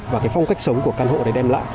và cái phong cách sống của căn hộ đấy đem lại